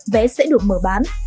vé sẽ được mở bán